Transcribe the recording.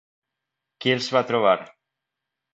Qui els va trobar?